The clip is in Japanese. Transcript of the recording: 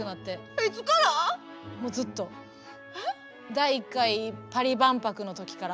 第１回パリ万博の時から。